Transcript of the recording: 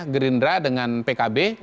gerindra dengan pkb